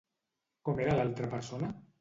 Com era l'altra persona?